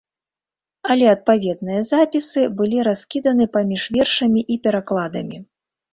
Але адпаведныя запісы былі раскіданы паміж вершамі і перакладамі.